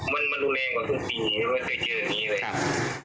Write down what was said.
มันเตยเจือดนี้เลยครับ